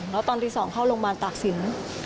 แล้วตอนตี๒เข้าโรงพยาบาลตากศิลป์